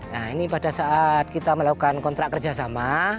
nah ini pada saat kita melakukan kontrak kerjasama